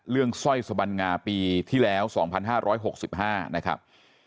สร้อยสบัญงาปีที่แล้ว๒๕๖๕นะครับ